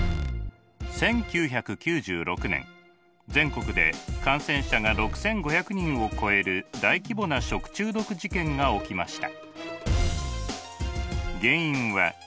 １９９６年全国で感染者が６，５００人を超える大規模な食中毒事件が起きました。